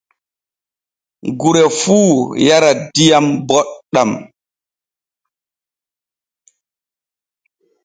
Gure fuu yara diam boɗɗan.